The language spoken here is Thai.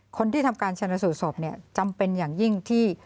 คนที่ทำการชนสูตรศพเนี่ยจำเป็นอย่างยิ่งที่